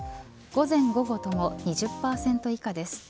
午前、午後とも２０％以下です。